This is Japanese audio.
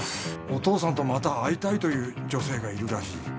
お父さんとまた会いたいという女性がいるらしい